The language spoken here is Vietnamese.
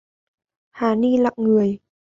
Hà Ni lặng người